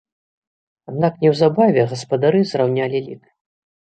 Аднак неўзабаве гаспадары зраўнялі лік.